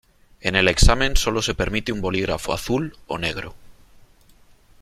En el examen sólo se permite un bolígrafo azul o negro.